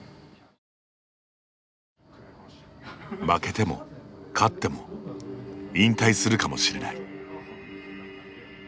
負けても、勝っても引退するかもしれない。